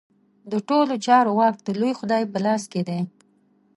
د ټولو چارو واک د لوی خدای په لاس کې دی.